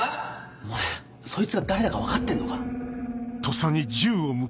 お前そいつが誰だか分かってんのか？